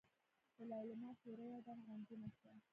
د ليلما څېره يودم غمجنه شوه.